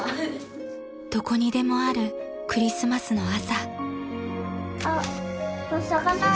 ［どこにでもあるクリスマスの朝］